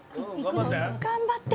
頑張って。